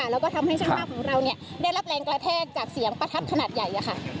แล้วก็ทำให้ช่างภาพของเราได้รับแรงกระแทกจากเสียงประทัดขนาดใหญ่